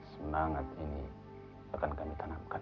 semangat ini akan kami tanamkan